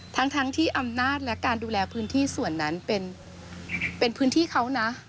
ทั้งที่อำนาจและการดูแลพื้นที่ส่วนนั้นเป็นพื้นที่เขานะ